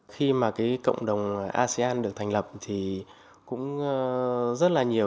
khi mà cái cộng đồng asean được thành lập thì cũng rất là nhiều